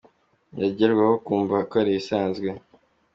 yageraho akumva ari ibisanzwe.